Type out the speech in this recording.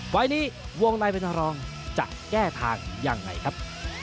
ไฟล์นี้วงในเป็นรองจะแก้ทางยังไงครับ